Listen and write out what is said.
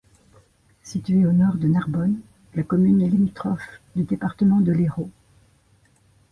Située au nord de Narbonne, la commune est limitrophe du département de l'Hérault.